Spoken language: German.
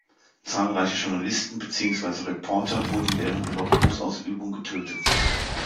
Zahlreiche Journalisten beziehungsweise Reporter wurden während ihrer Berufsausübung getötet.